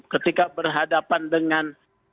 ketika berhadapan dengan